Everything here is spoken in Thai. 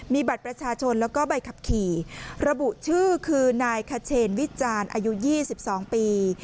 มีบัตรประชาชนแล้วก็ใบขับขี่ระบุชื่อคือนายขเชนวิจารณ์อายุ๒๒ปี